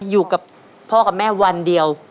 อยู่กับพ่อกับแม่วันเดียว